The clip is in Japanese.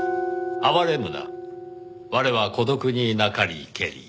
「哀れむな我は孤独になかりけり